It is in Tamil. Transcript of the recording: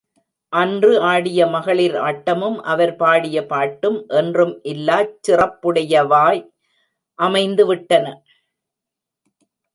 அன்று ஆடிய மகளிர் ஆட்டமும், அவர் பாடிய பாட்டும் என்றும் இல்லாச் சிறப்புடையவாய் அமைந்து விட்டன.